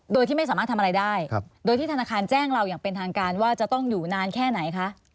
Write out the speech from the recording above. โดยที่ไม่สามารถทำอะไรได้โดยที่ธนาคารแจ้งเราอย่างเป็นทางการว่าจะต้องอยู่นานแค่ไหนคะ